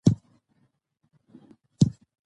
ټول دروغ دي